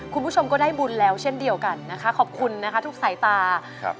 คุณผู้ชมก็ได้บุญแล้วเช่นเดียวกันนะคะขอบคุณนะคะทุกสายตาครับ